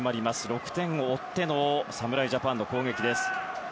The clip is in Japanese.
６点を追っての侍ジャパンの攻撃です。